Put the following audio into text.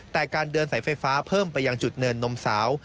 แต่การเดินสายไฟฟ้าเพิ่มไปยังจุดเนินนมสาว